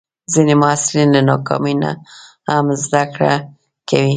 ځینې محصلین له ناکامۍ نه هم زده کړه کوي.